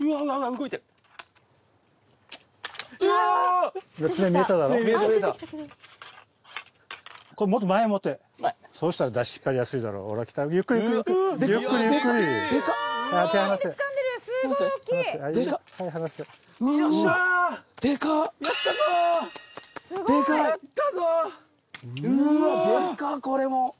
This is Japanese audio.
うわでかっこれも。